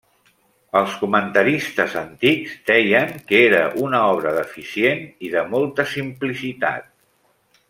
Els comentaristes antics deien que era una obra deficient i de molta simplicitat.